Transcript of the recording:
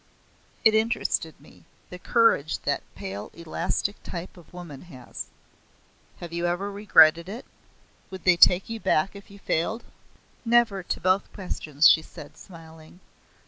It interested me. The courage that pale elastic type of woman has! "Have you ever regretted it? Would they take you back if you failed?" "Never, to both questions," she said, smiling.